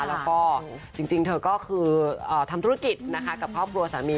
แล้วก็จริงเธอก็คือทำธุรกิจนะคะกับครอบครัวสามี